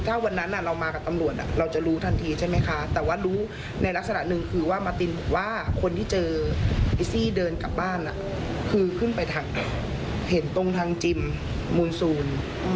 ถ้าวันนั้นเรามากับตำรวจเราจะรู้ทันทีใช่ไหมคะแต่ว่ารู้ในลักษณะหนึ่งคือว่ามาตินบอกว่าคนที่เจอไอ้ซี่เดินกลับบ้านคือขึ้นไปทางไหนเห็นตรงทางจิมมูลซูล